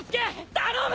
頼む！